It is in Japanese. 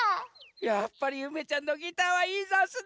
やっぱりゆめちゃんのギターはいいざんすね。